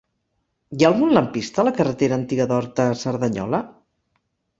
Hi ha algun lampista a la carretera Antiga d'Horta a Cerdanyola?